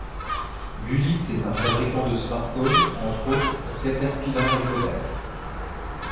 Bullitt est un fabricant de smartphone, entre autres pour Caterpillar et Kodak.